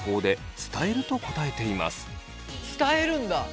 伝えるんだ。